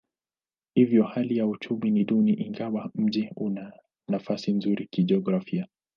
Hivyo hali ya uchumi ni duni ingawa mji una nafasi nzuri kijiografia.